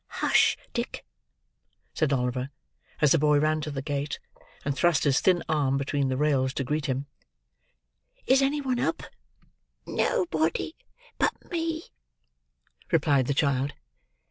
"Hush, Dick!" said Oliver, as the boy ran to the gate, and thrust his thin arm between the rails to greet him. "Is any one up?" "Nobody but me," replied the child.